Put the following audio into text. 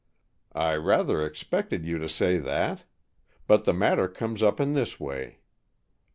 "I rather expected you to say that. But the matter comes up in this way.